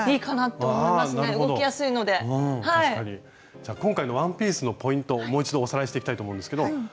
じゃ今回のワンピースのポイントをもう一度おさらいしていきたいと思うんですけどこちら。